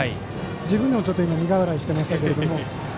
自分でも苦笑いしてましたが。